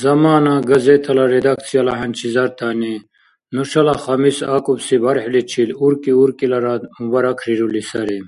«Замана» газетала редакцияла хӀянчизартани нушала Хамис акӀубси бархӀиличил уркӀи-уркӀиларад мубаракрирули сари!